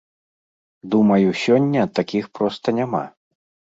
Думаю, сёння такіх проста няма.